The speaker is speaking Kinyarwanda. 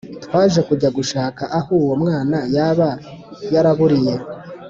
Twaje kujya gushaka aho uwo mwana yaba yaraburiye